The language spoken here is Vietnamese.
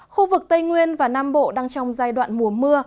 khu vực tây nguyên và nam bộ đang trong giai đoạn mùa mưa